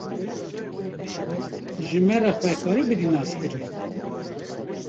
ji me re xwe karî bidî naskirin